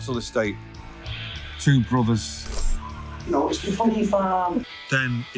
ก็พวกมันคิดว่านี้คงเป็นหลังด้วย